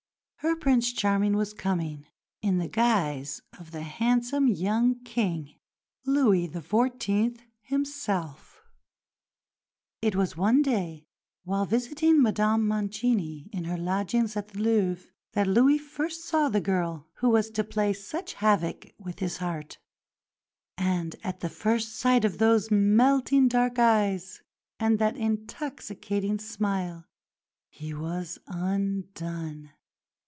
Her "Prince Charming" was coming in the guise of the handsome young King, Louis XIV. himself. It was one day while visiting Madame Mancini in her lodgings at the Louvre that Louis first saw the girl who was to play such havoc with his heart; and at the first sight of those melting dark eyes and that intoxicating smile he was undone.